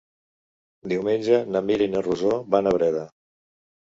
Diumenge na Mira i na Rosó van a Breda.